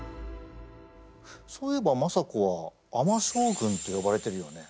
そういえば政子は尼将軍って呼ばれてるよね。